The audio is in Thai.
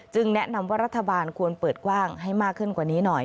แนะนำว่ารัฐบาลควรเปิดกว้างให้มากขึ้นกว่านี้หน่อย